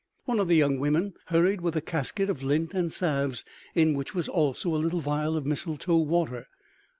One of the young women hurried with a casket of lint and salves, in which was also a little vial of mistletoe water.